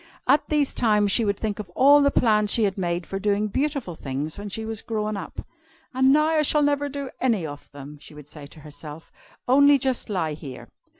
At these times she would think of all the plans she had made for doing beautiful things when she was grown up. "And now I shall never do any of them," she would say to herself, "only just lie here.